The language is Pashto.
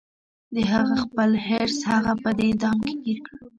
د هغې خپل حرص هغه په دې دام کې ګیر کړه